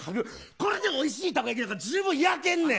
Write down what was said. これで、おいしいたこ焼きなんかじゅうぶん焼けんねん。